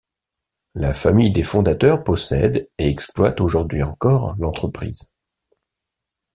La famille des fondateurs possède et exploite aujourd'hui encore l'entreprise.